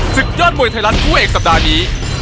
ศึกยอดมวยไทยรัฐคู่เอกสัปดาห์นี้